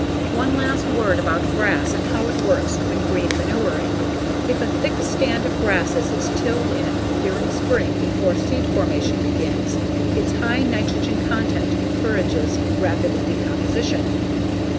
One last word about grass and how it works when green manuring. If a thick stand of grasses is tilled in during spring before seed formation begins, its high nitrogen content encourages rapid decomposition.